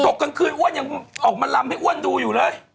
กลางคืนอ้วนยังออกมาลำให้อ้วนดูอยู่เลย